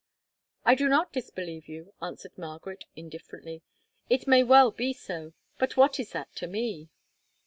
"I do not disbelieve," answered Margaret indifferently, "it may well be so; but what is that to me?"